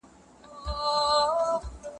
له اوږدو لارو نه غوغا راځي